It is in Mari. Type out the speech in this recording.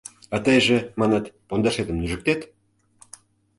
— А тыйже, маныт, пондашетым нӱжыктет?